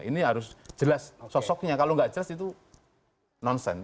ini harus jelas sosoknya kalau nggak jelas itu nonsen